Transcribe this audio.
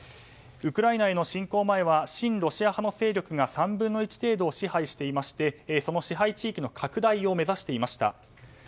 ウクライナへの侵攻前は親ロシア派勢力が３分の１程度を支配していましてその支配地域の拡大を目指していました。